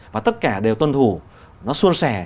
và tất cả đều tuân thủ nó xuân xẻ